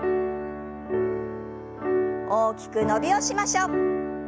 大きく伸びをしましょう。